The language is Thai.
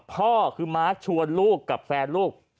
พ่อคือมาร์คชวนลูกกับแฟนลูก